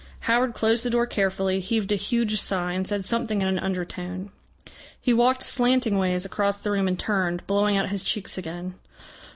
Howard closed the door carefully, heaved a huge sigh, and said something in an undertone. He walked slantingways across the room and turned, blowing out his cheeks again.